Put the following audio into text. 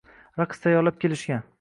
raqs tayyorlab kelishgan.